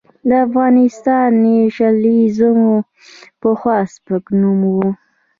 د افغان نېشنلېزم پخوا سپک نوم و.